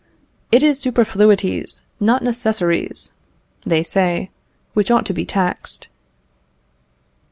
"It is superfluities, not necessaries," they say "which ought to be taxed."